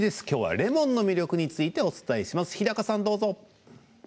きょうはレモンの魅力についてお伝えします。